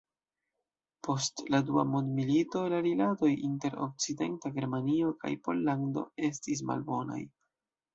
Post la dua mondmilito la rilatoj inter Okcidenta Germanio kaj Pollando estis malbonaj.